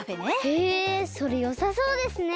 へえそれよさそうですね。